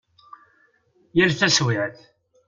Yal taswiɛt.